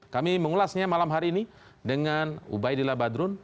kami mengulasnya malam hari ini dengan ubaidillah badrun